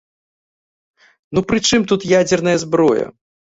Ну пры чым тут ядзерная зброя?